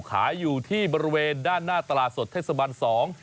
ขายอยู่ที่บริเวณด้านหน้าตลาดสดเทศบันสอง